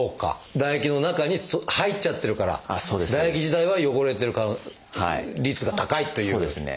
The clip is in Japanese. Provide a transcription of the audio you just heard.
唾液の中に入っちゃってるから唾液自体は汚れてる率が高いということですかね。